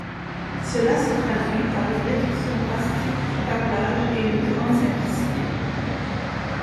Cela se traduit par une réduction drastique du câblage et une grande simplicité.